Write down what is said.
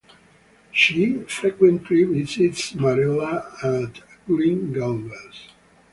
She frequently visits Marilla at Green Gables.